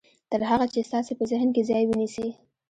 تر هغه چې ستاسې په ذهن کې ځای ونيسي.